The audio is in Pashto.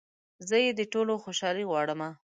زه يې د ټولو خوشحالي غواړمه